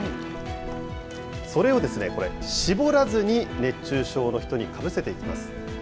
それを、これ、絞らずに熱中症の人にかぶせていきます。